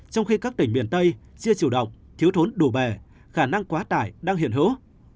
trong khi các tỉnh miền tây chưa chủ động thiếu thốn đủ bẻ khả năng quá tải đang hiện hữu